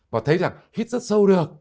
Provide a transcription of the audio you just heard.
và thấy rằng hít rất sâu được